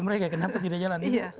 mereka kenapa tidak jalan